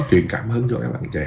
chuyện cảm hứng cho các bạn trẻ